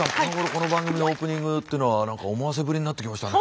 この番組のオープニングっていうのは何か思わせぶりになってきましたね。